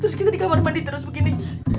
terus kita di kamar mandi terus begini